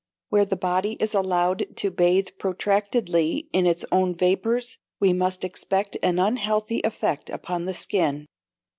Where the body is allowed to bathe protractedly in its own vapours we must expect an unhealthy effect upon the skin.